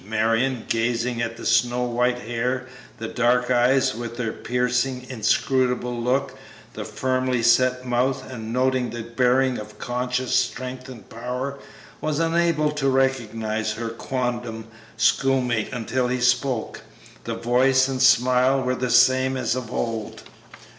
Marion, gazing at the snow white hair, the dark eyes with their piercing, inscrutable look, the firmly set mouth, and noting the bearing of conscious strength and power, was unable to recognize her quondam schoolmate until he spoke; the voice and smile were the same as of old!